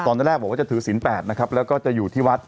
ตอนแรกบอกว่าจะถือศีล๘นะครับแล้วก็จะอยู่ที่วัด